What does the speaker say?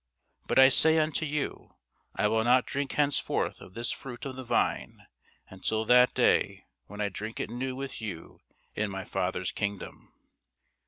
But I say unto you, I will not drink henceforth of this fruit of the vine, until that day when I drink it new with you in my Father's kingdom.